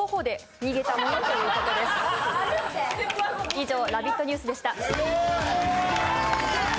以上、「ラヴィット！ニュース」でした。